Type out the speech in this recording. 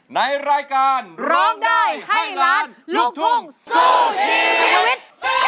ในรายการร้องได้ให้ล้านลูกทุ่งสู้ชีวิต